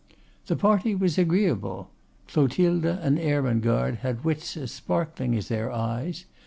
The party was agreeable. Clotilde and Ermengarde had wits as sparkling as their eyes.